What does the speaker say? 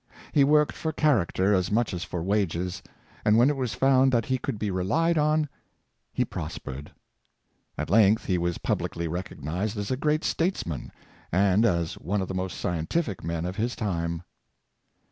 He worked for character as much as for wages; and when it was found that he could be relied on, he prospered. At length he was publicly recog nized as a great statesman, and as one of the most scientific men of his time.